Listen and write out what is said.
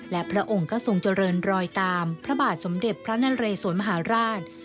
และพระองค์ก็ทรงเจริญรอยตามพระบาทสมเด็จพระนเรสวนมหาราช